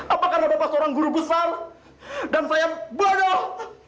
apa karena bapak seorang guru besar dan saya bodoh